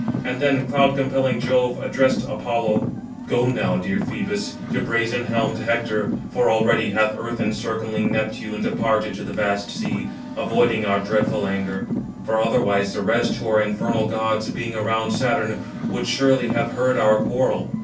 And then cloud compelling Jove addressed Apollo: "Go now, dear Phœbus, to brazen helmed Hector; for already hath earth encircling Neptune departed to the vast sea, avoiding our dreadful anger; for otherwise the rest, who are infernal gods, being around Saturn, would surely have heard our quarrel.